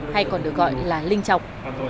hay còn được gọi là linh chọc